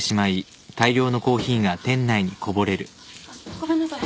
ごめんなさい。